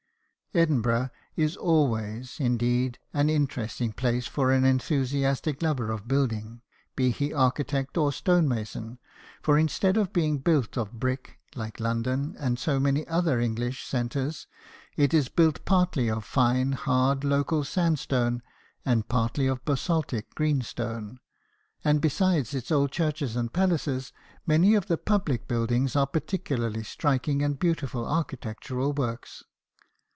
Edinburgh is always, indeed, an interesting place for an enthusiastic lover of building, be he architect or stonemason ; for instead of being built of brick like London and so many other English centres, it is built partly of a fine hard local sandstone and partly of basaltic greenstone ; and besides its old churches and palaces, many of the public buildings are particularly striking and beautiful architectural works.